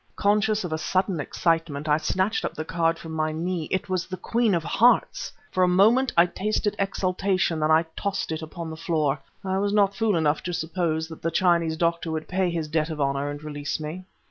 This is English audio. Conscious of a sudden excitement, I snatched up the card from my knee. It was the Queen of Hearts! For a moment I tasted exultation, then I tossed it upon the floor. I was not fool enough to suppose that the Chinese Doctor would pay his debt of honor and release me.